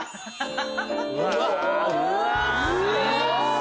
すごい。